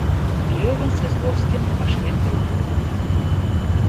Левин с Весловским пошли в другую.